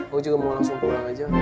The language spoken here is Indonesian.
aku juga mau langsung pulang aja